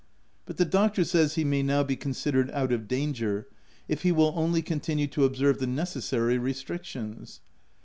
But the doctor says he may now be considered out of danger, if he will only con tinue to observe the necessary restrictions.